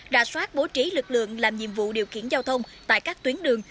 ra soát bố trí lực lượng làm nhiệm vụ điều khiển giao thông tại các tuyến đường